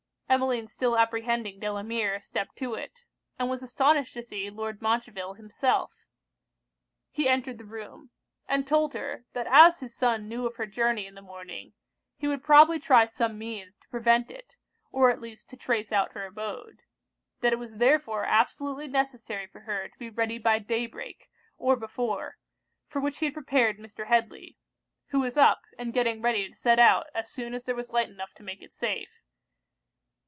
Emmeline still apprehending Delamere, stepped to it; and was astonished to see Lord Montreville himself. He entered the room; and told her, that as his son knew of her journey in the morning, he would probably try some means to prevent it, or at least to trace out her abode; that it was therefore absolutely necessary for her to be ready by day break or before, for which he had prepared Mr. Headly; who was up, and getting ready to set out as soon as there was light enough to make it safe.